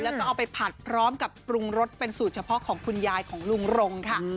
แล้วก็เอาไปผัดพร้อมกับปรุงรสเป็นสูตรเฉพาะของคุณยายของลุงรงค่ะ